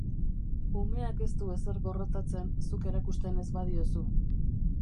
Umeak ez du ezer gorrotatzen, zuk erakusten ez badiozu.